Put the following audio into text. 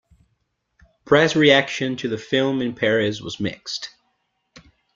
Press reaction to the film in Paris was mixed.